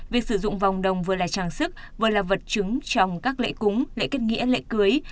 việc sử dụng vòng đồng vừa là trang sức vừa là vật chứng trong các lễ cúng lễ kết nghĩa lễ cưới